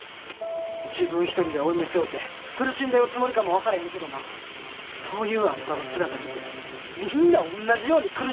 自分一人で負い目背負て苦しんでるつもりかも分かれへんけどなそういうあんたの姿見てみんなおんなじように苦しんできたんや。